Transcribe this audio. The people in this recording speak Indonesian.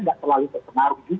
tidak terlalu terkenal juga